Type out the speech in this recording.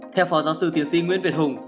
theo phó giáo sư tiến sĩ nguyễn việt hùng